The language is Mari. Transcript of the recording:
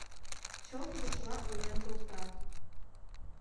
Чылт рушла ойлен колта: